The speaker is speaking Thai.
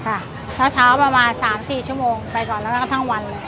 เช้าเช้าประมาณสามสี่ชั่วโมงไปก่อนแล้วก็ทั้งวันเลย